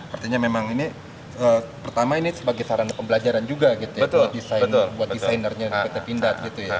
artinya ini sebagai saran pembelajaran juga buat desainernya pindad